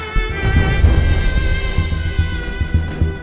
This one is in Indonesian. nyuruh nyuruh tuhan tahan saduq hidup